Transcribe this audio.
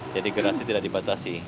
jadi gerasi tidak dibatasi